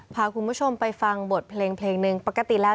พาคุณผู้ชมไปฟังบ่ดเพลงปกติแล้ว